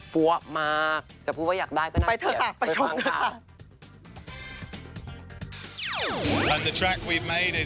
ฟัวมากจะพูดว่าอยากได้ก็น่าเกลียด